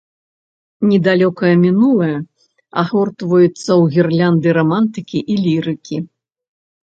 Недалёкае мінулае агортваецца ў гірлянды рамантыкі і лірыкі.